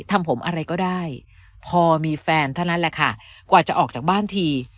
ทำผมอะไรก็ได้พอมีแฟนเท่านั้นแหละค่ะกว่าจะออกจากบ้านที